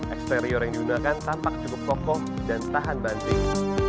eksterior yang digunakan tampak cukup kokoh dan tahan banting